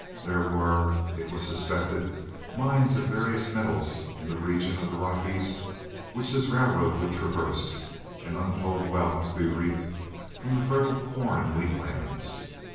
There were, it was suspected, mines of various metals in the region of the Rockies which this railroad would traverse, and untold wealth to be reaped from the fertile corn and wheat lands.